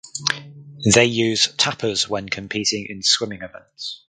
They use tappers when competing in swimming events.